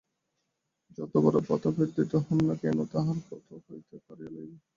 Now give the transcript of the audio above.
যতবড়ো প্রতাপাদিত্য হউন না কেন, তাঁহার হাত হইতে কাড়িয়া লইব।